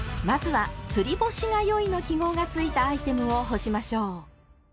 まずは「つり干しがよい」の記号がついたアイテムを干しましょう。